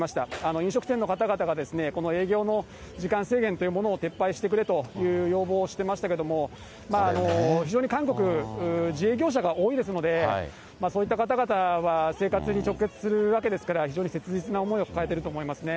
飲食店の方々がこの営業の時間制限というものを撤廃してくれという要望をしていましたけれども、非常に韓国、自営業者が多いですので、そういった方々は生活に直結するわけですから、非常に切実な思いを抱えていると思いますね。